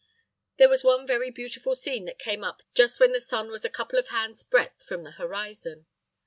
There was one very beautiful scene that came up just when the sun was a couple of hands' breadth from the horizon.